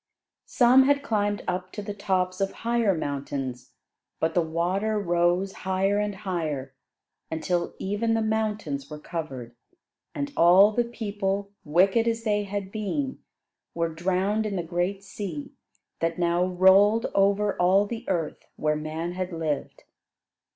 Some had climbed up to the tops of higher mountains, but the water rose higher and higher, until even the mountains were covered and all the people, wicked as they had been, were drowned in the great sea that now rolled over all the earth where man had lived.